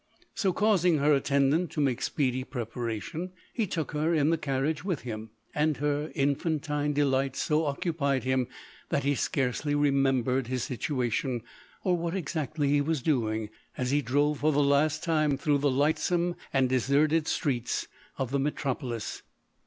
So, causing her attendant to make speedy preparation, he took her in the carriage with him ; and her infantine delight so occupied him, that he scarcely re membered his situation, or what exactly he was doing, as he drove for the last time through the lightsome and deserted streets of the metro polis.